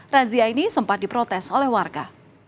razia ini sempat diprotes oleh warga